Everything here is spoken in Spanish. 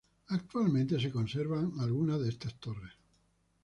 Actualmente se conserva algunas de estas torres.